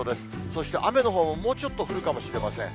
そして、雨のほうももうちょっと降るかもしれません。